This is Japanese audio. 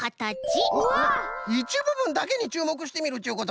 いちぶぶんだけにちゅうもくしてみるっちゅうことか。